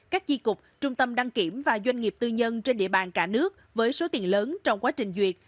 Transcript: các chi cục trung tâm đăng kiểm và doanh nghiệp tư nhân trên địa bàn cả nước với số tiền lớn trong quá trình duyệt